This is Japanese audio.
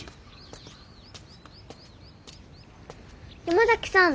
山崎さん。